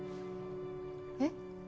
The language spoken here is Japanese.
えっ？